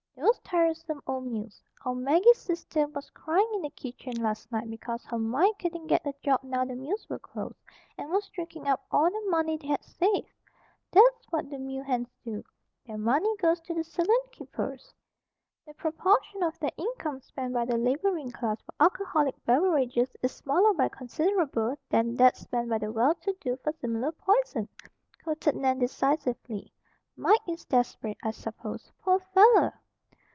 "Those tiresome old mills. Our Maggie's sister was crying in the kitchen last night because her Mike couldn't get a job now the mills were closed, and was drinking up all the money they had saved. That's what the mill hands do; their money goes to the saloon keepers!" "The proportion of their income spent by the laboring class for alcoholic beverages is smaller by considerable than that spent by the well to do for similar poison!" quoted Nan decisively. "Mike is desperate, I suppose, poor fellow!"